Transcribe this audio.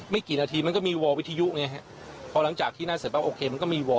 ไม่กี่นาทีมันก็มีวอลวิธิไยกล์ไงพอหลังจากที่นั่นเสร็จิปะโอเคมันก็มีวอล